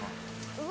うわ！